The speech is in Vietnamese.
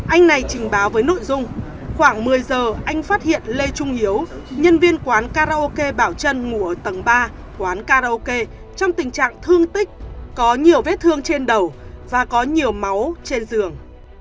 anh này trình báo với nội dung khoảng một mươi giờ anh phát hiện lê trung hiếu nhân viên quán karaoke bảo trân ngủ ở tầng ba quán karaoke trong tình trạng thương tích có nhiều vết thương trên đầu và có nhiều máu trên giường